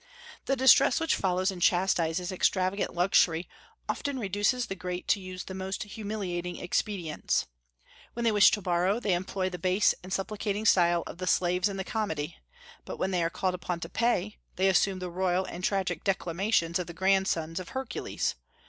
The distress which follows and chastises extravagant luxury often reduces the great to use the most humiliating expedients. When they wish to borrow, they employ the base and supplicating style of the slaves in the comedy; but when they are called upon to pay, they assume the royal and tragic declamations of the grandsons of Hercules.